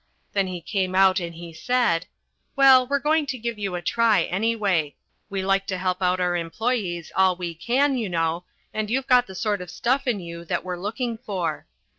Then he came out and he said, "Well, we're going to give you a try anyway: we like to help out our employes all we can, you know; and you've got the sort of stuff in you that we're looking for."